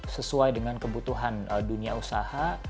sesuai dengan kebutuhan dunia usaha